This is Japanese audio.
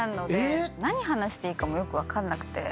何話していいかもよく分かんなくて。